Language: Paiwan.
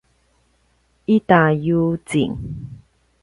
ita yucing